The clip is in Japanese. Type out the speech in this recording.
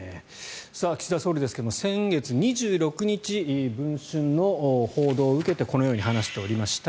岸田総理ですが先月２６日「文春」の報道を受けてこのように話しておりました。